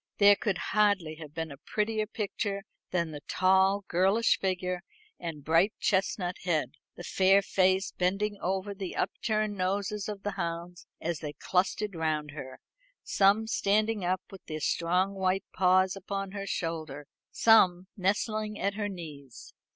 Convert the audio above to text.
There could hardly have been a prettier picture than the tall girlish figure and bright chestnut head, the fair face bending over the upturned noses of the hounds as they clustered round her, some standing up with their strong white paws upon her shoulder, some nestling at her knees.